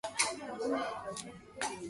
Tataryn was a retired police officer.